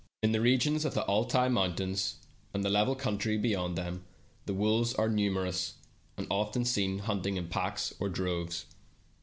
In the regions of the Altai mountains, and the level country beyond them, the wolves are numerous, and often seen hunting in packs or droves.